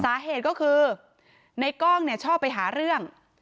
สาเหตุก็คือในกล้องเนี่ยชอบไปหาเรื่อง